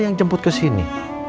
al yang jemput kesini